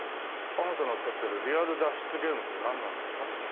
あなたのおっしゃってるリアル脱出ゲームってなんなんですか？